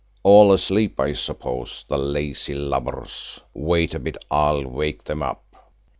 All asleep, I suppose, the lazy lubbers. Wait a bit, I'll wake them up."